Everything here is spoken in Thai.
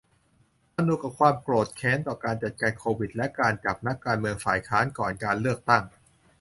ผนวกกับความโกรธแค้นต่อการจัดการโควิด และการจับนักการเมืองฝ่ายค้านก่อนการเลือกตั้ง